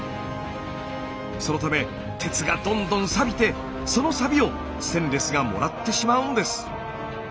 そのため鉄がどんどんサビてそのサビをステンレスがもらってしまうんです。